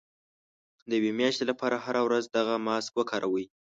د يوې مياشتې لپاره هره ورځ دغه ماسک وکاروئ.